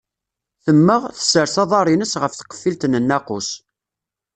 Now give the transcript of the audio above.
Temmeɣ, tessers aḍad-ines ɣef tqeffilt n nnaqus.